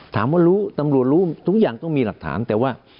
ถามว่ารู้ตำรวจรู้ทุกอย่างต้องมีหลักฐานแต่ว่า